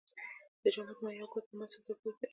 د جامد مایع او ګاز ترمنځ څه توپیر دی.